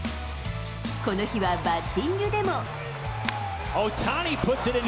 この日はバッティングでも。